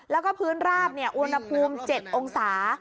แล้วก็พื้นราบอุณหภูมิ๗องศา